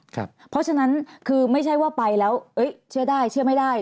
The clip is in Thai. เพราะฉะนั้นคือไม่ใช่ว่าไปแล้วเชื่อได้เชื่อไม่ได้